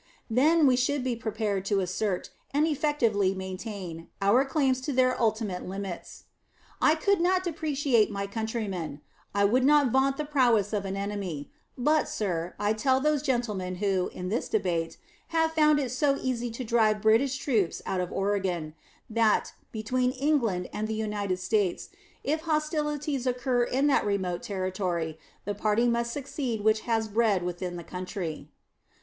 Then we should be prepared to assert, and effectively maintain, our claims to their ultimate limits. I could not depreciate my countrymen; I would not vaunt the prowess of an enemy; but, sir, I tell those gentlemen who, in this debate, have found it so easy to drive British troops out of Oregon, that, between England and the United States, if hostilities occur in that remote territory, the party must succeed which has bread within the country....